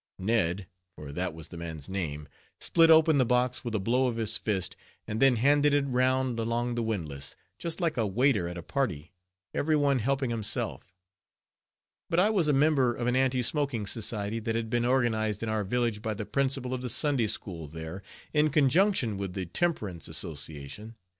Ned, for that was the man's name, split open the box with a blow of his fist, and then handed it round along the windlass, just like a waiter at a party, every one helping himself. But I was a member of an Anti Smoking Society that had been organized in our village by the Principal of the Sunday School there, in conjunction with the Temperance Association.